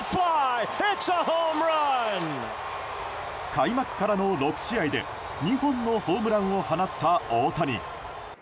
開幕からの６試合で２本のホームランを放った大谷。